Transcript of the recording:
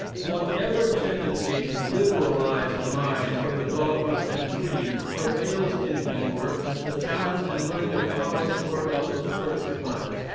Whatever tendency to 'liberalise' the mind from the dogmas and creeds prevails in these works, the talents and learning of Collins were of the first class.